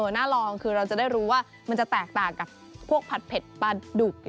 น่าลองคือเราจะได้รู้ว่ามันจะแตกต่างกับพวกผัดเผ็ดปลาดุก